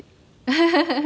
フフフフ。